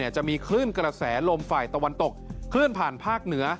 จะมีคลื่นกระแสลมฝ่ายตะวันตกคลื่นผ่านภาคเหนือ